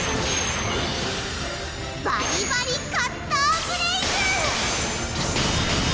バリバリカッターブレイズ！